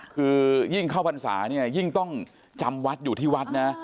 คือยิ่งเข้าพรรษาเนี่ยยิ่งต้องจำวัดอยู่ที่วัดนะ